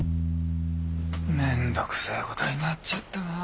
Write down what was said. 面倒くせえことになっちゃったなあ。